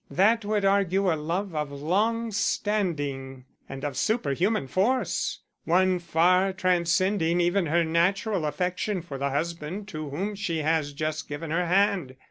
That would argue a love of long standing and of superhuman force; one far transcending even her natural affection for the husband to whom she has just given her hand.